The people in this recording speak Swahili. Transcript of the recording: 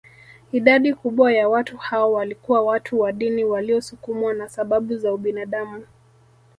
Idadi kubwa ya watu hao walikuwa watu wa dini waliosukumwa na sababu za ubinadamu